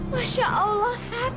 masya allah sar